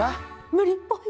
無理っぽい。